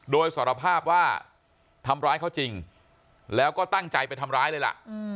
โดยสารภาพว่าทำร้ายเขาจริงแล้วก็ตั้งใจไปทำร้ายเลยล่ะ